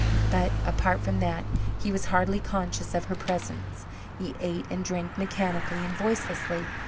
But, apart from that, he was hardly conscious of her presence. He ate and drank mechanically and voicelessly.